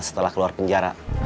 setelah keluar penjara